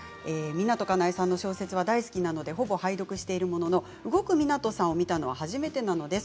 湊かなえさんの小説が大好きでほぼ拝読しているものの動く湊さんを見たのは初めてです。